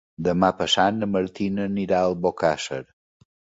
Demà passat na Martina anirà a Albocàsser.